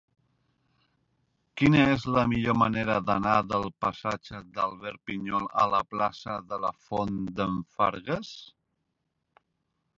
Quina és la millor manera d'anar del passatge d'Albert Pinyol a la plaça de la Font d'en Fargues?